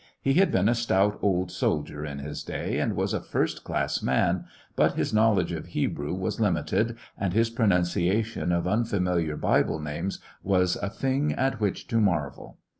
He had been a stout old soldier in his day, and was a first class man, but his knowledge of Hebrew was lim ited, and his pronunciation of unfamiliar Bible names was a thing at which to marvel.